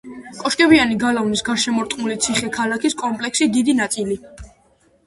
კოშკებიანი გალავნით გარშემორტყმული ციხე-ქალაქის კომპლექსის დიდი ნაწილი.